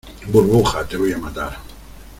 burbuja, te voy a matar.